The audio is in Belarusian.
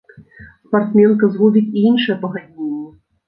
Спартсменка згубіць і іншыя пагадненні.